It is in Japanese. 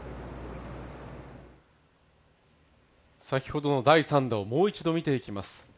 先ほどの第３打をもう一度見ていきます。